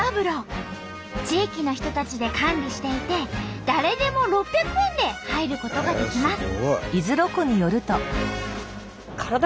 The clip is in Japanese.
地域の人たちで管理していて誰でも６００円で入ることができます。